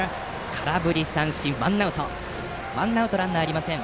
空振り三振、ワンアウトランナーありません。